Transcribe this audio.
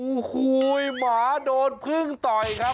โอ้โหหมาโดนพึ่งต่อยครับ